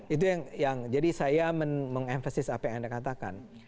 itu yang jadi saya mengempasif apa yang anda katakan